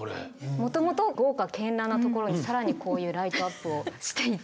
もともと豪華絢爛な所に更にこういうライトアップをしていて。